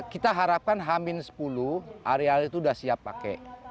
kita harapkan hamin sepuluh areal itu sudah siap pakai